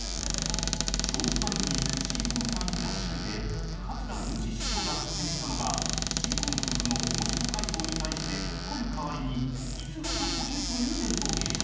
長寿番組『新婚さんいらっしゃい！』で桂文枝師匠が発明したのが新婚夫婦の面白回答に対してツッコむ代わりに椅子ごとコケるという伝統芸